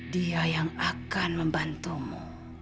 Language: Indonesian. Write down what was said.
dia yang akan membantumu